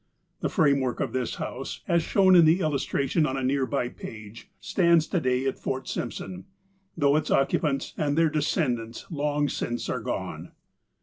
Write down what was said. The framework of this house, as shown in the illustra tion on a near by page, stands to day at Fort Simpson, though its occupants and their descendants long since are gone.